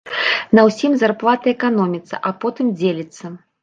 На ўсім зарплата эканоміцца, а потым дзеліцца.